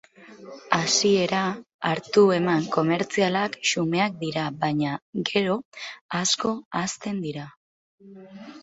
Hasiera, hartu-eman komertzialak xumeak dira baina, gero, asko hazten dira.